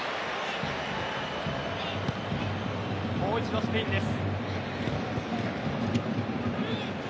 もう一度スペインです。